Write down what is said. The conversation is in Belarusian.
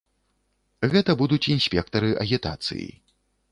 Гэта будуць інспектары агітацыі.